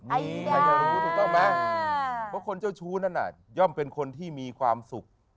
มีมีต้องมั้ยเพราะคนเจ้าชู้นั่นน่ะย่อมเป็นคนที่มีความสุข